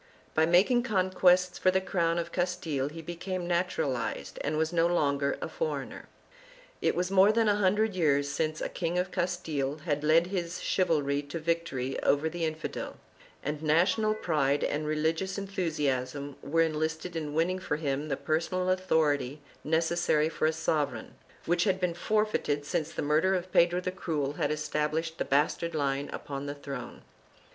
By making conquests for the crown of Castile he became natural ized and was no longer a foreigner. It was more than a hundred years since a King of Castile had led his chivalry to victory over the infidel, and national pride and religious enthusiasm were enlisted in winning for him the personal authority necessary for a sovereign, which had been forfeited since the murder of Pedro the Cruel had established the bastard line upon the throne.